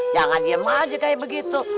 jangan diem aja kayak begitu